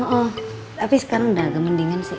oh oh tapi sekarang udah agak mendingan sih